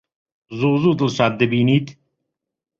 زوو زوو دڵشاد دەبینیت؟